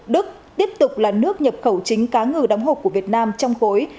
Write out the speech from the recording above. đức tiếp tục là nước nhập khẩu chính cá ngừ đóng hộp của việt nam trong khối